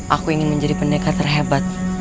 aku ingin menjadi pendekar terhebat